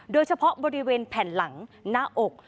โดยเฉพาะบริเวณแผ่นหลังหน้าอก